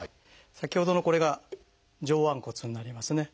先ほどのこれが上腕骨になりますね。